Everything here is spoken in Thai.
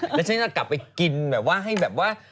แล้วฉันกลับไปกินแบบว่า